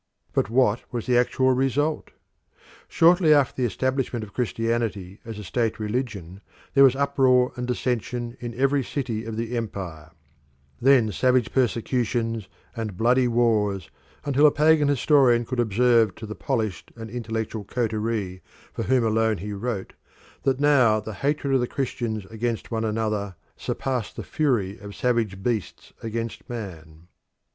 But what was the actual result? Shortly after the establishment of Christianity as a state religion there was uproar and dissension in every city of the Empire; then savage persecutions and bloody wars, until a pagan historian could observe to the polished and intellectual coterie for whom alone he wrote that now the hatred of the Christians against one another surpassed the fury of savage beasts against man.